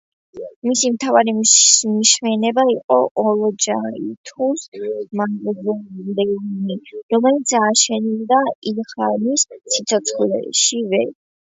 მისი მთავარი მშვენება იყო ოლჯაითუს მავზოლეუმი, რომელიც აშენდა ილხანის სიცოცხლეშივე.